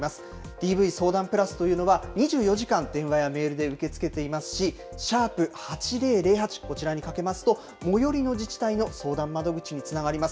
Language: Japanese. ＤＶ相談プラスというのは２４時間、電話やメールで受け付けていますし、＃８００８、こちらにかけますと、最寄りの自治体の相談窓口につながります。